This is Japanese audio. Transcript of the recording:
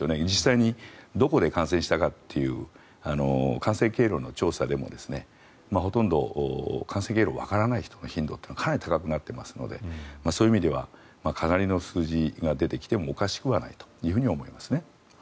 実際にどこで感染したかという感染経路の調査でもほとんど感染経路がわからない人の頻度がかなり多くなっていますのでそういう意味ではかなりの数字が出てきてもおかしくはないと思いますね。